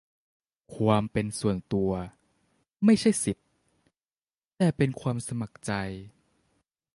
ความเป็นส่วนตัว ไม่ใช่สิทธิ แต่เป็นความสมัครใจ ?